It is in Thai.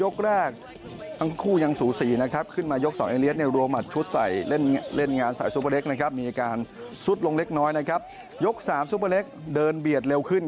ครั้งคู่ยังสูงสี่นะครับขึ้นมายกสองเอเรียส